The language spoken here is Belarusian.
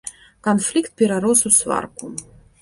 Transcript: Канфлікт перарос у сварку.